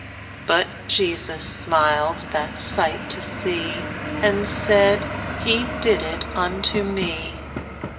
But Jesus smiled that sight to see, And said, "He did it unto me."